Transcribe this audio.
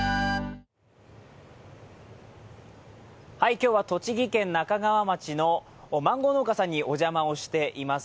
今日は栃木県那珂川町のマンゴー農家さんにお邪魔をしています。